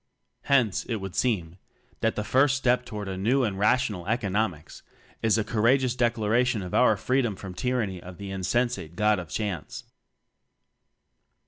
Hence, it would seem, that the first step to ward a new and Rational Economics is a courageous declaration of our free dom from tyranny of the insensate "God of Chance."